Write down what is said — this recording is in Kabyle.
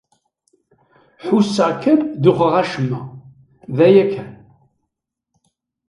Ḥusseɣ kan duxeɣ acemma. D aya kan.